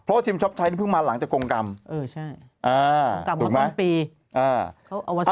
เพราะว่าชิมช็อปชัยนี่เพิ่งมาหลังจากกรงกรรม